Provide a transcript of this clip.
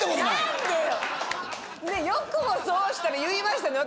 よくもそうしたら言いましたね